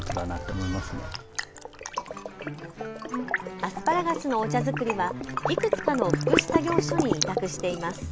アスパラガスのお茶作りはいくつかの福祉作業所に委託しています。